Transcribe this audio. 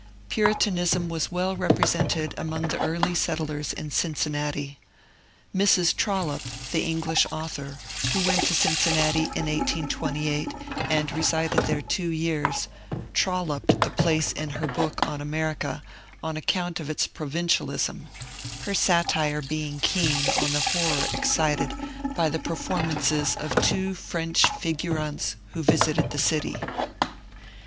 Puritanism was well represented among the early settlers in Cincinnati. Mrs. Trollope, the English author, who went to Cincinnati in 1828 and resided there two years, " troUoped " the place in her book on America on account of its provincialism, her satire being keen on the horror excited by the performances of two French figurantes who visited the city.